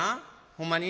ほんまに？